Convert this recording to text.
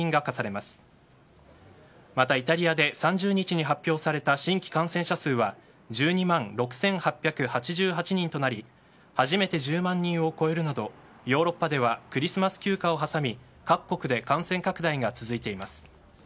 また、イタリアで３０日に発表された新規感染者数は１２万６８８８人となり初めて１０万人を超えるなどヨーロッパではクリスマス休暇を挟み各国で感染拡大が続いています。